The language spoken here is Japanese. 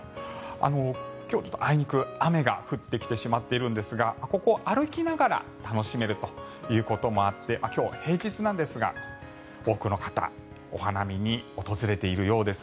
今日、あいにく雨が降ってきてしまっているんですがここ、歩きながら楽しめるということもあって今日、平日なんですが多くの方がお花見に訪れているようです。